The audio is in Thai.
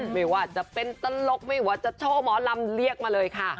ไม่ว่าจะเป็นตลกไม่ว่าจะโชว์หมอลำเรียกมาเลยค่ะ